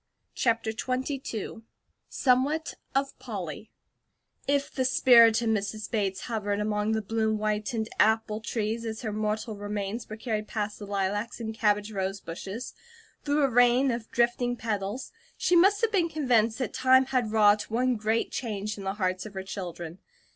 CHAPTER XXII SOMEWHAT OF POLLY IF THE spirit of Mrs. Bates hovered among the bloom whitened apple trees as her mortal remains were carried past the lilacs and cabbage rose bushes, through a rain of drifting petals, she must have been convinced that time had wrought one great change in the hearts of her children.